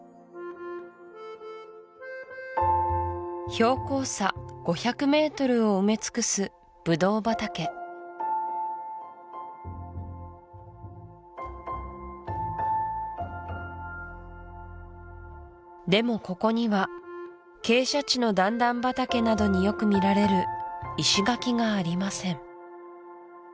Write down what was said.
標高差５００ｍを埋め尽くすブドウ畑でもここには傾斜地の段々畑などによく見られる石垣がありません